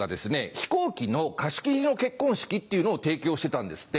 飛行機の貸し切りの結婚式っていうのを提供してたんですって。